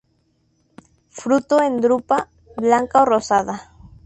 Fruto en drupa, blanca o rosada.